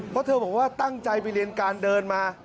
เพราะเธอบอกว่าตั้งใจไปเรียนการเดินมา